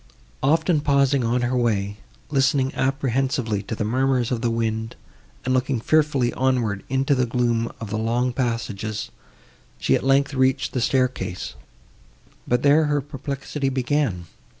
Often pausing on her way, listening apprehensively to the murmurs of the wind, and looking fearfully onward into the gloom of the long passages, she, at length, reached the staircase; but there her perplexity began.